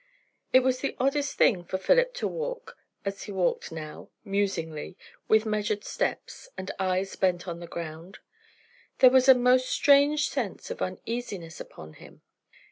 It was the oddest thing for Philip to walk as he walked now, musingly, with measured steps, and eyes bent on the ground. There was a most strange sense of uneasiness upon him.